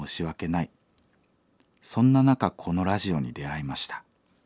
そんな中このラジオに出会いました。